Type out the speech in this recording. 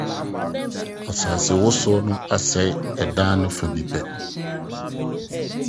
Asasewosow no asɛe ɔdan no fã bi pɛ.